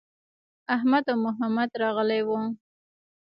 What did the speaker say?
احمد او محمد راغلي وو.